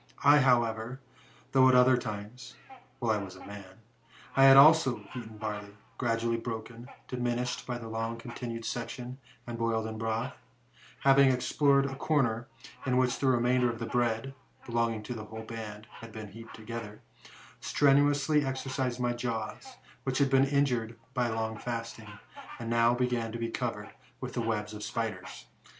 ' I, however, though at other times [while I was a man] I had always eaten barley, gradually broken, diminished by a long continued section, and boiled in broth ; having explored a cor ner, in which the remainder of the bread, belonging to the whole band, had been heaped together, stretiuously exercised my jaws, which had been injured by long fasting, and now began to be covered with the webs of spiders.